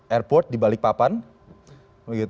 airport di balikpapan